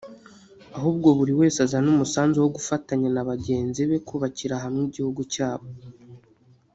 ahubwo buri wese azane umusanzu wo gufatanya na bagenzi be kubakira hamwe igihugu cyabo